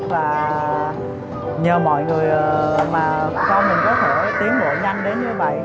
và nhờ mọi người mà con mình có thể tiến bộ nhanh đến như vậy